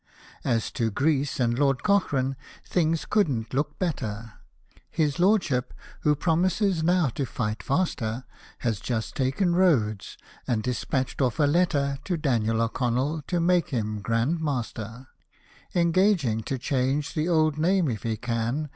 As to Greece and Lord Cochrane, things couldn't look better — His Lordship (who promises now to fight faster) Has just taken Rhodes, and dispatched off a letter To Daniel O'Connell, to make him Grand Master ; Engaging to change the old name, if he can.